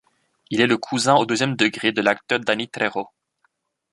Il est le cousin au deuxième degré de l'acteur Danny Trejo.